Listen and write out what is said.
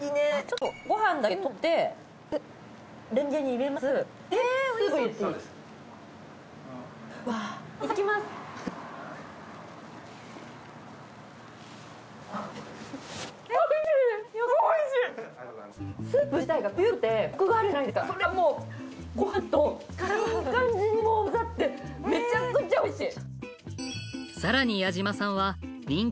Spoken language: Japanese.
ちょっとご飯だけ取ってレンゲに入れますスープ入れていい。